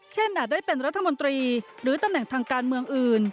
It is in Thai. อาจได้เป็นรัฐมนตรีหรือตำแหน่งทางการเมืองอื่น